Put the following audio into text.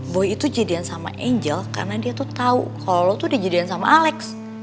boy itu jadian sama angel karena dia tuh tau kalo lo tuh di jadian sama alec